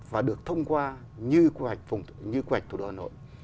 và được thông qua như quy hoạch thủ đô hà nội